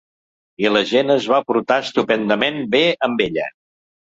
I la gent es va portar estupendament bé amb ella.